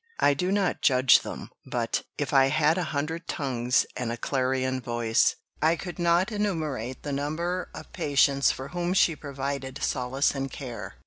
I do not judge them; but, if I had a hundred tongues and a clarion voice, I could not enumerate the number of patients for whom she provided solace and care."